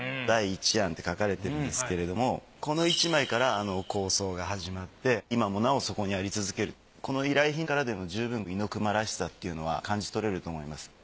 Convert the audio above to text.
第一案って書かれているんですけれどもこの１枚からあの構想が始まって今もなおそこにあり続けるこの依頼品からでも十分猪熊らしさっていうのは感じ取れると思います。